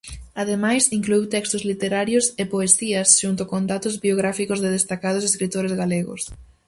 Ademais, incluíu textos literarios e poesías, xunto con datos biográficos de destacados escritores galegos.